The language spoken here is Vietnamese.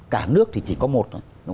cả nước thì chỉ có một